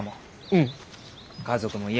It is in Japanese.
うん。